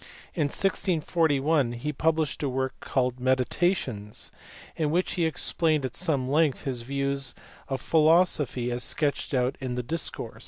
In 1641 he published a work called Meditationes in which he explained at some length his views of philosophy as sketched out in the Discours.